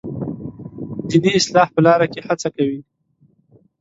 دیني اصلاح په لاره کې هڅه کوي.